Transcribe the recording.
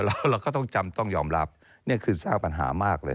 แล้วเราก็ต้องจำต้องยอมรับนี่คือสร้างปัญหามากเลย